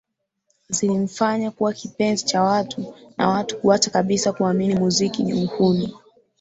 Zilimfanya kuwa kipenzi cha watu na watu kuacha kabisa kuamini muziki ni uhuni